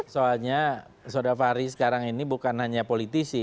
soalnya soda fahri sekarang ini bukan hanya politisi